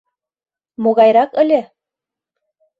Могайрак ыле?